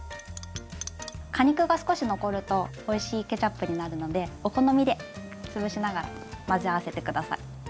果肉が少し残るとおいしいケチャップになるのでお好みで潰しながら混ぜ合わせて下さい。